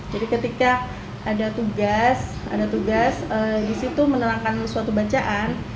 jadi ketika ada tugas ada tugas disitu menerangkan suatu bacaan